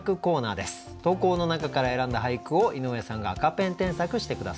投稿の中から選んだ俳句を井上さんが赤ペン添削して下さいます。